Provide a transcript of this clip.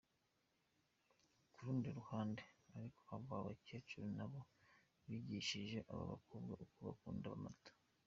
Ku rundi ruhande ariko, aba bakecuru nabo bigishije aba bakobwa uko bacunda amata.